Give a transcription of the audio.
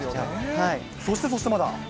そしてそして、まだ。